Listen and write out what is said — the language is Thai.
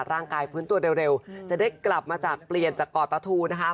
ร่างกายฟื้นตัวเร็วจะได้กลับมาจากเปลี่ยนจากกอดประทูนะคะ